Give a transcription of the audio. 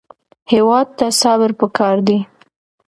هېواد ته صبر پکار دی